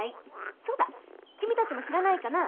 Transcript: そうだ君たちも知らないかなぁ？